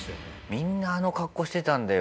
みんなあの格好してたんだよ。